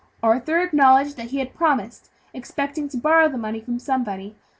"Arthur acknowledged that he had promised, expecting to borrow the money from somebody.